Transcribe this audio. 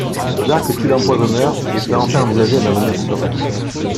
Jacques tue l'empoisonneur, et peut enfin envisager un avenir serein.